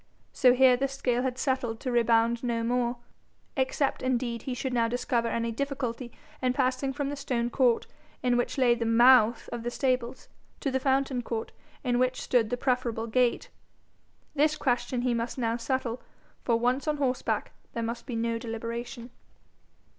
So here the scale had settled to rebound no more except indeed he should now discover any difficulty in passing from the stone court in which lay the MOUTH of the stables, to the fountain court in which stood the preferable gate. This question he must now settle, for once on horseback there must be no deliberation.